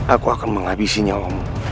aku akan menghabisi nyawamu